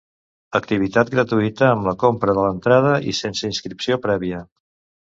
Activitat gratuïta amb la compra de l'entrada i sense inscripció prèvia.